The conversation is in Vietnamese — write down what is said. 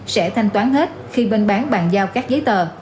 sẽ thanh toán hết khi bên bán bàn giao các giấy tờ